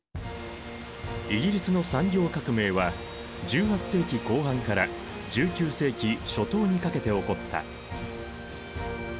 イギリスの産業革命は１８世紀後半から１９世紀初頭にかけて起こった。